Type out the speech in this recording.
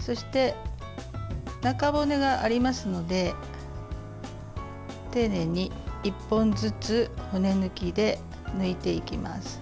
そして、中骨がありますので丁寧に１本ずつ骨抜きで抜いていきます。